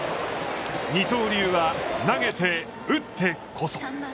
二刀流は投げて、打ってこそ。